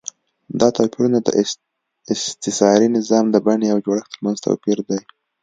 دا توپیرونه د استثاري نظام د بڼې او جوړښت ترمنځ توپیر دی.